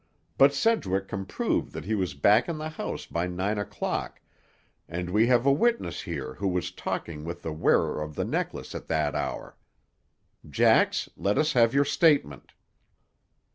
But Sedgwick can prove that he was back in his house by nine o'clock, and we have a witness here who was talking with the wearer of the necklace at that hour. Jax, let us have your statement."